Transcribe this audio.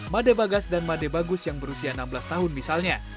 made bagas dan made bagus yang berusia enam belas tahun misalnya